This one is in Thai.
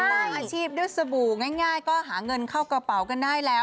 สร้างอาชีพด้วยสบู่ง่ายก็หาเงินเข้ากระเป๋ากันได้แล้ว